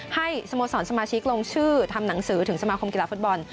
สโมสรสมาชิกลงชื่อทำหนังสือถึงสมาคมกีฬาฟุตบอล